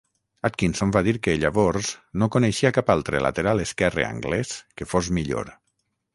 Atkinson va dir que llavors "no coneixia cap altre lateral esquerre anglès que fos millor".